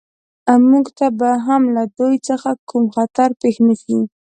موږ ته به هم له دوی څخه کوم خطر پېښ نه شي